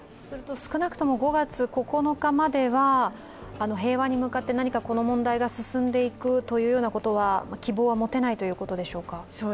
少なくとも５月９日までは平和に向かって、この問題が進んでいくという希望は持てないということでしょうか。